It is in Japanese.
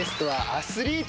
アスリート！